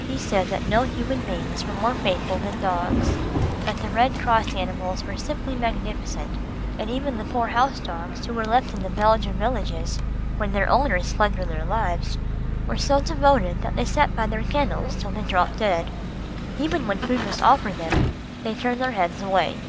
He said that no human beings were more faithful than dogs; that the red cross animals were simply magnificent, and even the poor house dogs who were left in the Belgian villages, when their owners fled for their lives, were so devoted that they sat by their kennels till they dropped dead. Even when food was offered them, they turned their heads away.